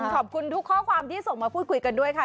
ขอบคุณทุกข้อความที่ส่งมาพูดคุยกันด้วยค่ะ